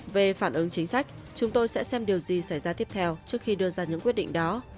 về phản ứng chính sách chúng tôi sẽ xem điều gì xảy ra tiếp theo trước khi đưa ra những quyết định đó